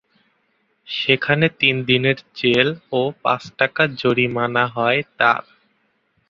সেখানে তিন দিনের জেল ও পাঁচ টাকা জরিমানা হয় তাঁর।